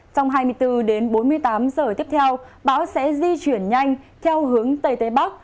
trong hai mươi bốn đến bốn mươi tám giờ tiếp theo bão sẽ di chuyển nhanh theo hướng tây tây bắc